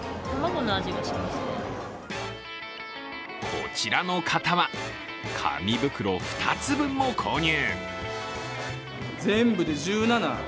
こちらの方は、紙袋２つ分も購入。